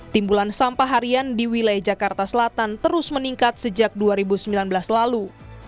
timbulan sampah harian di wilayah jakarta selatan terus meningkat sejak dua ribu sembilan belas lalu